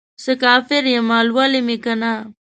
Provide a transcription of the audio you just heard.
څه کافر یمه ، لولی مې کنه